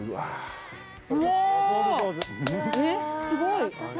すごい。